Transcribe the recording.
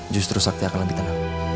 justru sakti akan lebih tenang